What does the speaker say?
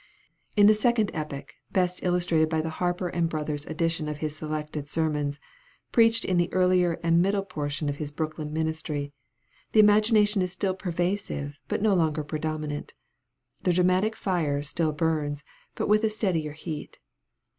In the second epoch, best illustrated by the Harper and Brothers edition of his selected sermons, preached in the earlier and middle portion of his Brooklyn ministry, the imagination is still pervasive, but no longer predominant. The dramatic fire still burns, but with a steadier heat.